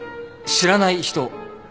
知らない人。